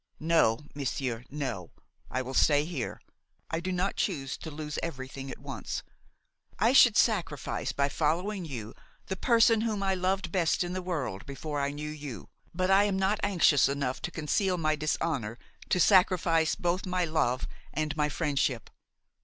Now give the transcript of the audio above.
"No, monsieur, no, I will stay here; I do not choose to lose everything at once. I should sacrifice, by following you, the person whom I loved best in the world before I knew you; but I am not anxious enough to conceal my dishonor to sacrifice both my love and my friendship.